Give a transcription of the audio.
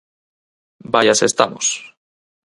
¡Vaia se estamos!